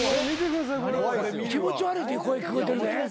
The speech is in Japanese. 気持ち悪いっていう声聞こえてるで。